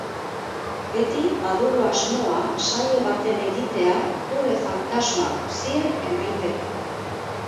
Beti badugu asmoa saio baten egitea gure fantasma guzien emaiteko.